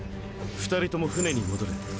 ２人とも船に戻れ。